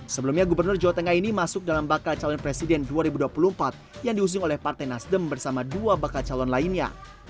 sebelumnya gubernur jawa tengah ini masuk dalam bakal calon presiden dua ribu dua puluh empat yang diusung oleh partai nasdem bersama dua bakal calon lainnya